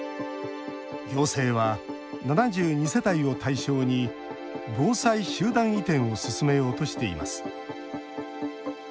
行政は７２世帯を対象に防災集団移転を進めようとしています。